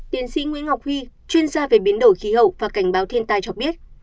tiến sĩ nguyễn ngọc huy chuyên gia về biến đổi khí hậu và cảnh báo thiên tai cho biết